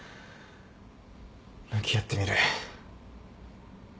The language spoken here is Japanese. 向き合ってみる弱さと。